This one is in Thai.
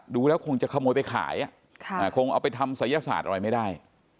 ดูแล้วคงจะขโมยไปขายคงเอาไปทำศัยศาสตร์อะไรไม่ได้